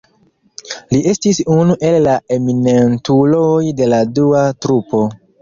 Li estis unu el la eminentuloj de la dua trupo.